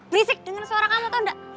berisik dengan suara kamu tau enggak